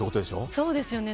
そうですよね。